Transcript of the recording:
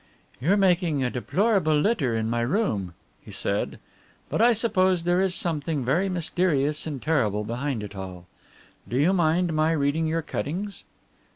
"You're making a deplorable litter in my room," he said, "but I suppose there is something very mysterious and terrible behind it all. Do you mind my reading your cuttings?"